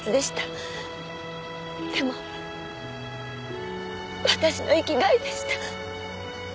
でも私の生きがいでした。